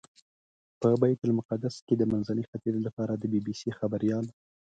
په بیت المقدس کې د منځني ختیځ لپاره د بي بي سي خبریال.